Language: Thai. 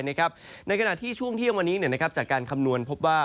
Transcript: ในขณะที่ช่วงเที่ยงวันนี้จากการคำนวณพบว่า